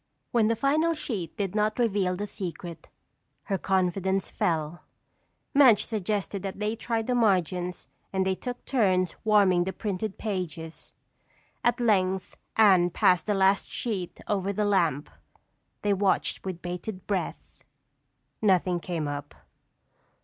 When the final sheet did not reveal the secret, her confidence fell. Madge suggested that they try the margins and they took turns warming the printed pages. At length Anne passed the last sheet over the lamp. They watched with bated breath. Nothing came up.